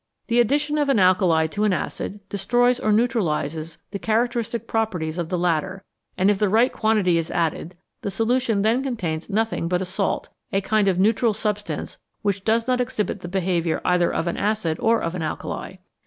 The addition of an alkali to an acid destroys or neutralises the characteristic properties of the latter, and if the right quantity is added the solution then contains nothing but a salt a kind of neutral substance which does not exhibit the behaviour either of an acid or of an alkali.